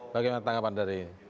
bagaimana penanggapan dari